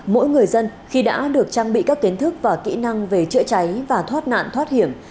mỗi người dân khi đã được trang bị các kiến thức và kỹ năng về chữa cháy và thoát nạn thoát hiểm